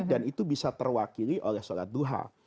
dan itu bisa terwakili oleh sholat duha